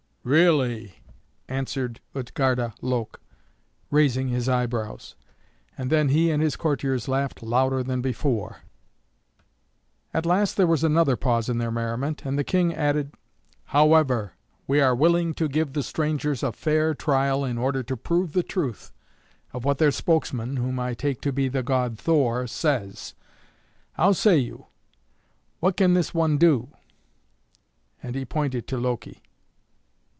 "Really!" answered Utgarda Loke, raising his eyebrows. And then he and his courtiers laughed louder than before. At last there was another pause in their merriment, and the King added: "However, we are willing to give the strangers a fair trial in order to prove the truth of what their spokesman, whom I take to be the god Thor, says. How say you? What can this one do?" And he pointed to Loki.